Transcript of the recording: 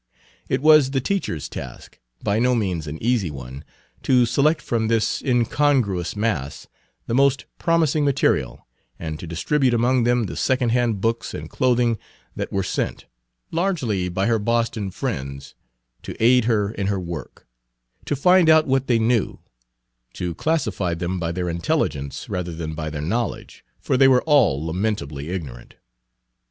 It was the teacher's task, by no means an easy one, to select from this incongruous mass the most promising material, and to distribute among them the second hand books and clothing that were sent, largely by her Boston friends, to aid her in her work; to find out what they knew, to classify them by their intelligence rather than by their knowledge, for they were all lamentably ignorant.